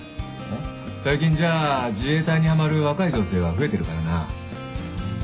最近じゃ自衛隊にはまる若い女性は増えてるからな。